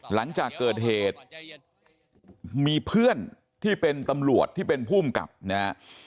หลังจากเกิดเหตุมีเพื่อนที่เป็นตำรวจที่เป็นภูมิกับนะฮะ